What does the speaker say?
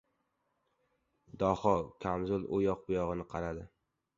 Daho kamzul uyoq-buyog‘ini qaradi.